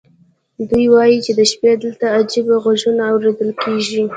دوی وایي چې د شپې دلته عجیب غږونه اورېدل کېږي.